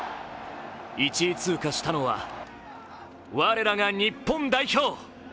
１位通過したのは、我らが日本代表。